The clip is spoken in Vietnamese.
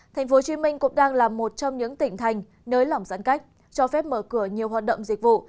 tp hcm cũng đang là một trong những tỉnh thành nới lỏng giãn cách cho phép mở cửa nhiều hoạt động dịch vụ